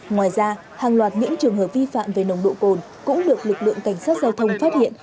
ngoài ra hàng loạt những trường hợp vi phạm về nồng độ cồn cũng được lực lượng cảnh sát giao thông phát hiện